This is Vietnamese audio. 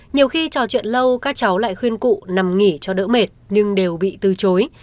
nhiều khi trò chuyện lâu các cháu lại khuyên cụ nằm nghỉ cho đỡ mệt nhưng đều bị từ chối